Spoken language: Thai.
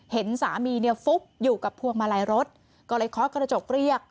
เห็นสามีเนี่ยฟุบอยู่กับพวงมาลัยรถก็เลยเคาะกระจกเรียก